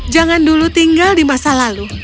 jangan dulu tinggal di masa lalu